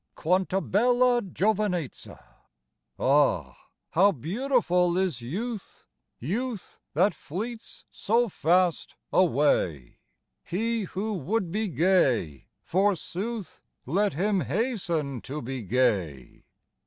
Quant* h bella giovinezza." AH, how beautiful is youth, Youth that fleets so fast away 1 He who would be gay, forsooth. Let him hasten to be gay